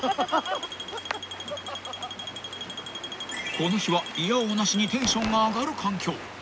［この日はいや応なしにテンションが上がる環境］